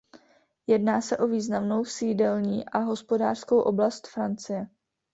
Jedná se o významnou sídelní a hospodářskou oblast Francie.